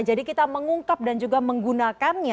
jadi kita mengungkap dan juga menggunakannya